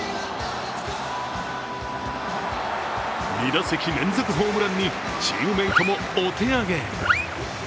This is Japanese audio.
２打席連続ホームランにチームメイトもお手上げ。